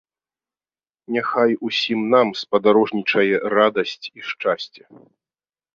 Няхай усім нам спадарожнічае радасць і шчасце!